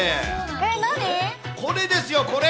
え、これですよ、これ。